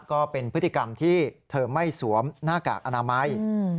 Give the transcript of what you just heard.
ก็เป็นพฤติกรรมที่เธอไม่สวมหน้ากากอนามัย